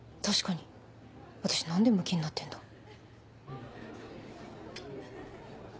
確かに私何でむきになってんだ？